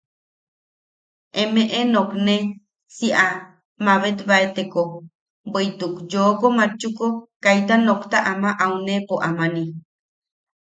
Emeʼe nokne si a mabetbaeteko, bweʼituk yooko matchuko kaita nokta ama auneʼepo amani.